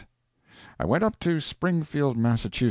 I went up to Springfield, Mass.